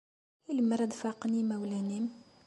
I lemmer ad faqen yimawlan-nnem?